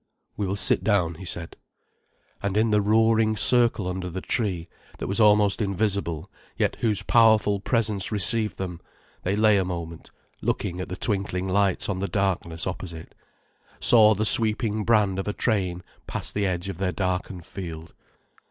"We will sit down," he said. And in the roaring circle under the tree, that was almost invisible yet whose powerful presence received them, they lay a moment looking at the twinkling lights on the darkness opposite, saw the sweeping brand of a train past the edge of their darkened field.